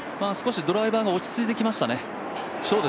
少しドライバーが落ち着いてきましたね。